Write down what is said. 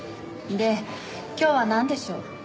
で今日はなんでしょう？